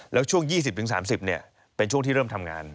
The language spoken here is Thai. แล้วช่วง๒๐๓๐เป็นช่วงที่เริ่มทำงาน